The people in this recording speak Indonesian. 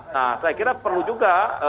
nah saya kira perlu juga